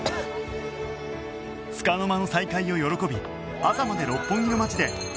つかの間の再会を喜び朝まで六本木の街で夏祭りを楽しむ２人